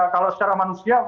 kalau secara manusia